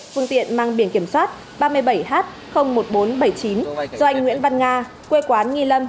phương tiện mang biển kiểm soát ba mươi bảy h một nghìn bốn trăm bảy mươi chín do anh nguyễn văn nga quê quán nghi lâm